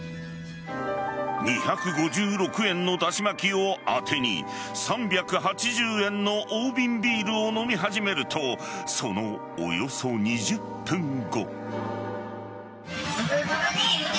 ２５６円のだし巻きをあてに３８０円の大瓶ビールを飲み始めるとそのおよそ２０分後。